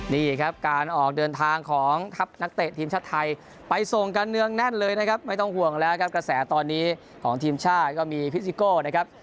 นี่ครับการออกเดินทางของทัพนักเตะทีมชาติไทยไปส่งกันเนืองแน่นเลยนะครับไม่ต้องห่วงแล้วครับกระแสตอนนี้ของทีมชาติก็มีพิซิโก้นะครับ